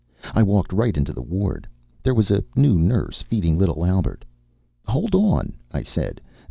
I walked right into the ward. There was a new nurse feeding little Albert. "Hold on," I said.